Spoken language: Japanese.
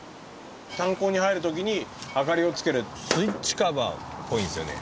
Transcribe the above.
炭鉱に入るときに、明かりをつけるスイッチカバーっぽいんですよね。